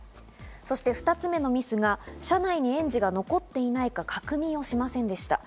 そして２つ目のミスが車内に園児が残っていないか確認をしませんでした。